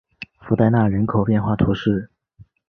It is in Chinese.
弗代纳人口变化图示